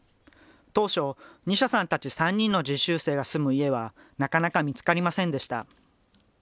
当初、ニシャさんたち３人の実習生が住む家は、なかなか見つかりませんでした。